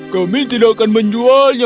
kami tidak akan menjualnya